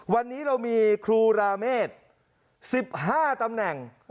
วันนี้เรามีครูราเมษ๑๕ตำแหน่ง